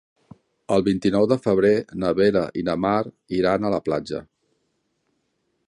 El vint-i-nou de febrer na Vera i na Mar iran a la platja.